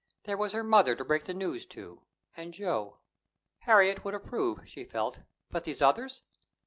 There was her mother to break the news to, and Joe. Harriet would approve, she felt; but these others!